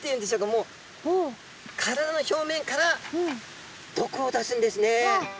もう体の表面から毒を出すんですね。